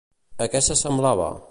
A què se semblava?